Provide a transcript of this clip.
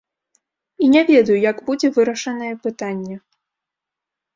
І не ведаю, як будзе вырашанае пытанне.